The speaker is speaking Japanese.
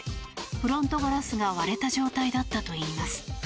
フロントガラスが割れた状態だったといいます。